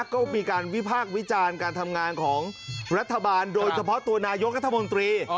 ก็มีการวิพากษ์วิจารณ์การทำงานของรัฐบาลโดยเฉพาะตัวนายกรัฐมนตรี